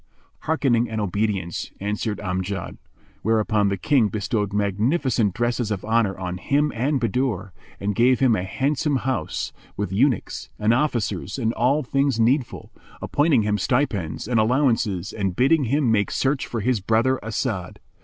"Hearkening and obedience," answered Amjad whereupon the King bestowed magnificent dresses of honour on him and Bahadur and gave him a handsome house, with eunuchs and officers and all things needful, appointing him stipends and allowances and bidding him make search for his brother As'ad.